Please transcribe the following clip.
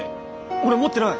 俺持ってない！